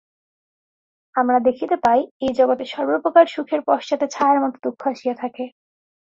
আমরা দেখিতে পাই, এই জগতে সর্বপ্রকার সুখের পশ্চাতে ছায়ার মত দুঃখ আসিয়া থাকে।